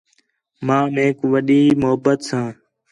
ماں میک وݙّی محبت ساں